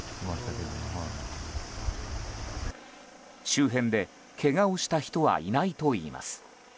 周辺で、けがをした人はいないといいます。